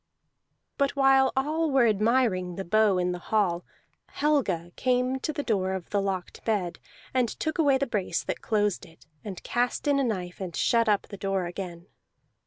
But while all were admiring the bow in the hall, Helga came to the door of the locked bed, and took away the brace that closed it, and cast in a knife, and shut up the door again.